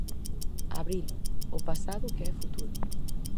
'Abril, o pasado que é futuro'.